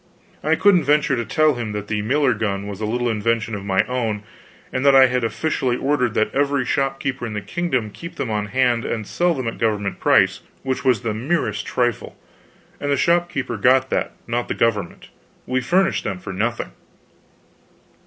I couldn't venture to tell him that the miller gun was a little invention of my own, and that I had officially ordered that every shopkeeper in the kingdom keep them on hand and sell them at government price which was the merest trifle, and the shopkeeper got that, not the government. We furnished them for nothing.